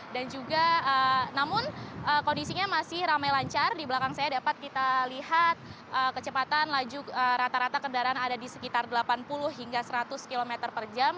dan juga namun kondisinya masih ramai lancar di belakang saya dapat kita lihat kecepatan rata rata kendaraan ada di sekitar delapan puluh hingga seratus km per jam